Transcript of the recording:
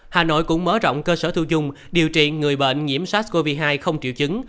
hà nội cũng mở rộng cơ sở thu dung điều trị người bệnh nhiễm sars cov hai không triệu chứng